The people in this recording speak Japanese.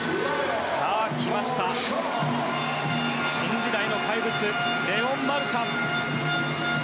来ました、新時代の怪物レオン・マルシャン。